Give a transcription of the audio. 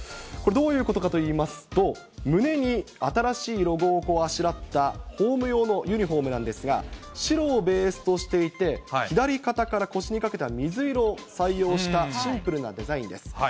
これ、どういうことかといいますと、胸に新しいロゴをあしらったホーム用のユニホームなんですが、白をベースとしていて、左肩から腰にかけては水色を採用したシンプルなデザインです。